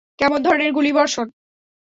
কেমন ধরণের গুলিবর্ষণ?